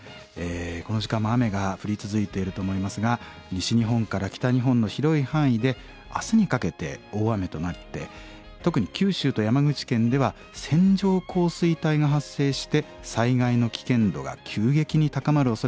この時間も雨が降り続いていると思いますが西日本から北日本の広い範囲で明日にかけて大雨となって特に九州と山口県では線状降水帯が発生して災害の危険度が急激に高まるおそれがあります。